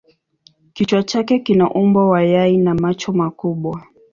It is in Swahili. Kichwa chake kina umbo wa yai na macho makubwa.